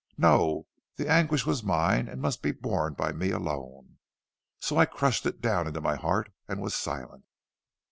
No; the anguish was mine, and must be borne by me alone. So I crushed it down into my heart and was silent.